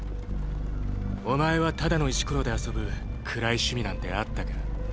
お前はただの石ころで遊ぶ暗い趣味なんてあったか？